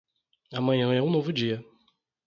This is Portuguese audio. Amanhã é um novo dia.